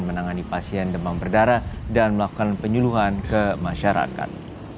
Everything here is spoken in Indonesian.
menangani pasien demam berdarah dan melakukan penyuluhan ke masyarakat